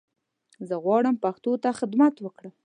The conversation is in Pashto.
زه غواړم پښتو ته خدمت وکړم